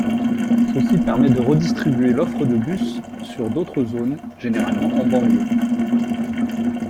Ceci permet de redistribuer l'offre de bus sur d'autres zones, généralement en banlieue.